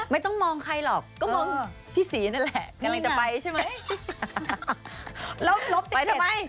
ไม่ต้องมองใครหรอกก็มองพี่ศรีนั่นแหละกำลังจะไปใช่ไหม